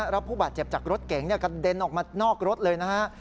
รับผู้บาดเจ็บจากรถเก๋งกระเด็นออกมานอกรถเลยนะฮะ